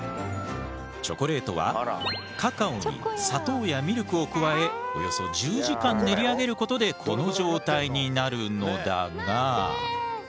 チョコレートはカカオに砂糖やミルクを加えおよそ１０時間練り上げることでこの状態になるのだが。